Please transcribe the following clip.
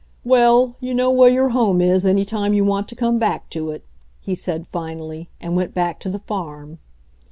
"Well, you know where your home is any time you want to come back to it," he said finally, and went back to the farm.